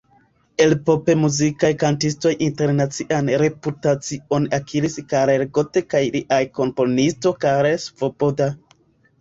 El pop-muzikaj kantistoj internacian reputacion akiris Karel Gott kaj lia komponisto Karel Svoboda.